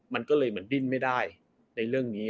มันก็เลยดินไม่ได้ในเรื่องนี้